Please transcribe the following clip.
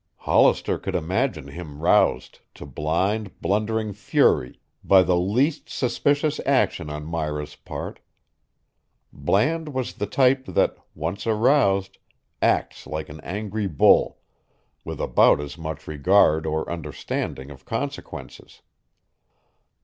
Hollister could imagine him roused to blind, blundering fury by the least suspicious action on Myra's part. Bland was the type that, once aroused, acts like an angry bull, with about as much regard or understanding of consequences.